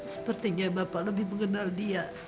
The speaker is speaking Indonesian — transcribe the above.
sepertinya bapak lebih mengenal dia